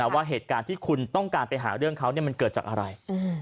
ว่าเหตุการณ์ที่คุณต้องการไปหาเรื่องเขามันเกิดจากอะไร